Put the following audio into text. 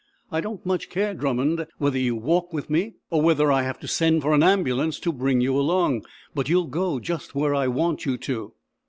"I don't much care, Drummond, whether you walk with me, or whether I have to send for an ambulance to bring you along. But you'll go just where I want you to."